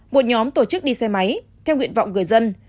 một nhóm tổ chức đi xe máy theo nguyện vọng người dân